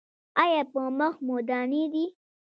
ایا په مخ مو دانې دي؟